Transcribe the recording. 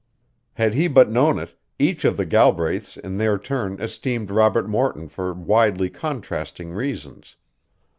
Had he but known it, each of the Galbraiths in their turn esteemed Robert Morton for widely contrasting reasons.